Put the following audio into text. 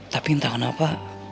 tapi entah kenapa